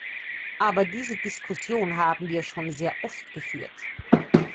Aber diese Diskussion haben wir schon sehr oft geführt.